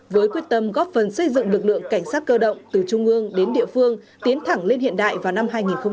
với quyết tâm góp phần xây dựng lực lượng cảnh sát cơ động từ trung ương đến địa phương tiến thẳng lên hiện đại vào năm hai nghìn ba mươi